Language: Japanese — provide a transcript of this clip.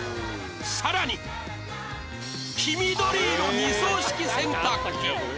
さらに黄緑色２層式洗濯機